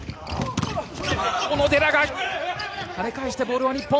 小野寺が、跳ね返してボールは日本。